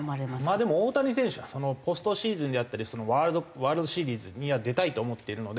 まあでも大谷選手はポストシーズンであったりワールドシリーズには出たいと思っているので。